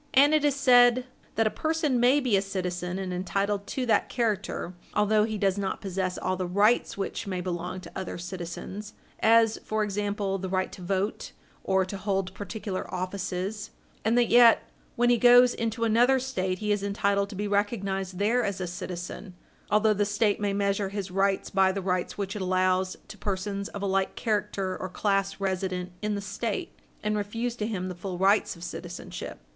But it is said that a person may be a citizen, and entitled to Page 60 U. S. 422 that character, although he does not possess all the rights which may belong to other citizens as, for example, the right to vote, or to hold particular offices and that yet, when he goes into another State, he is entitled to be recognised there as a citizen, although the State may measure his rights by the rights which it allows to persons of a like character or class resident in the State, and refuse to him the full rights of citizenship.